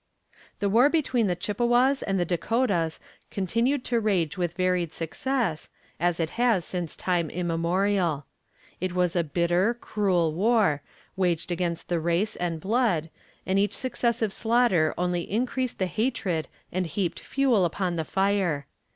The war between the Chippewas and the Dakotas continued to rage with varied success, as it has since time immemorial. It was a bitter, cruel war, waged against the race and blood, and each successive slaughter only increased the hatred and heaped fuel upon the fire.